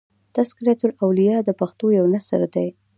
" تذکرة الاولیاء" د پښتو یو نثر دﺉ.